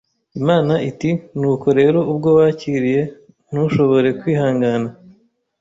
Imana iti nuko rero Ubwo wakiriye ntushobore kwihangana